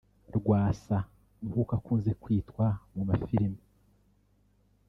Rwasa (nkuko akunze kwitwa mu ma filime)